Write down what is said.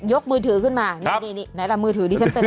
กมือถือขึ้นมานี่นี่ไหนล่ะมือถือดิฉันเป็น